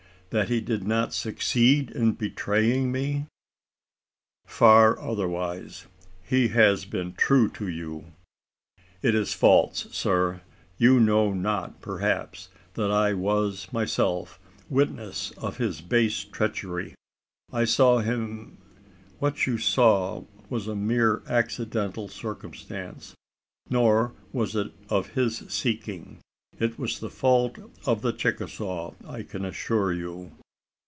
That he did not succeed in betraying me?" "Far otherwise he has been true to you!" "It is false, sir. You know not, perhaps, that I was myself witness of his base treachery. I saw him " "What you saw was a mere accidental circumstance; nor was it of his seeking. It was the fault of the Chicasaw, I can assure you."